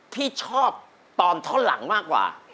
ที่ชอบตอนท่อนหลังมากกว่า